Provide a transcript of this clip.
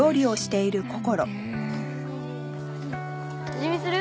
味見する？